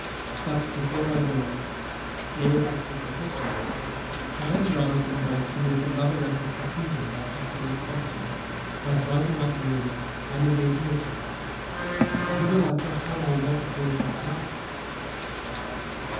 But before I go I will, if it be possible, try and rouse the Gauls to make another effort for freedom by acting in concert, by driving out the Romans and invading Italy. You will, I trust, Hannibal, not oppose my plans."